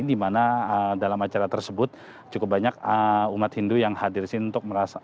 di mana dalam acara tersebut cukup banyak umat hindu yang hadir di sini untuk merasakan